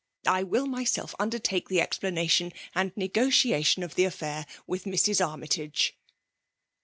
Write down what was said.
I will myself undertdce the expla nation and negotiation of the affair with Mrs. iAdrmytage."